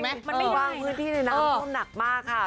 มันไม่ว่างพื้นที่ในน้ำท่วมหนักมากค่ะ